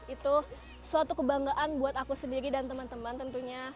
itu suatu kebanggaan buat aku sendiri dan teman teman tentunya